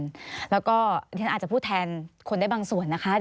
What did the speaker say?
ทนายสงการอาจจะพูดแทนคนได้บางส่วนนะคะ